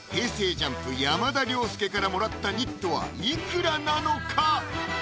山田涼介からもらったニットはいくらなのか？